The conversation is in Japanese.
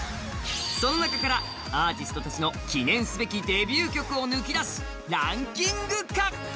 その中からアーティストたちの記念すべきデビュー曲を抜き出しライキング化。